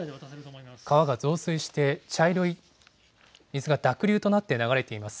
川が増水して、茶色い水が濁流となって流れています。